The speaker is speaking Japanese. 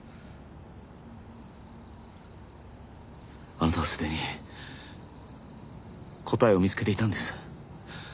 あなたはすでに答えを見つけていたんです。